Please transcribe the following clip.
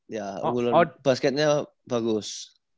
iya unggulan basketnya bagus